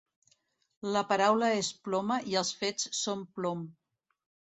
La paraula és ploma i els fets són plom.